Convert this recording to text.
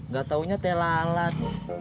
gak taunya telalat